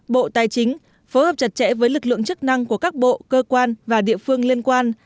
bộ tài chính phối hợp chặt chẽ với lực lượng chức năng của các bộ cơ quan và địa phương liên quan